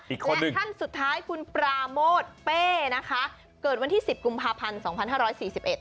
และท่านสุดท้ายคุณปราโมทเป้นะคะเกิดวันที่สิบกุมภาพันธ์สองพันห้าร้อยสี่สิบเอ็ด